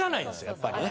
やっぱりね。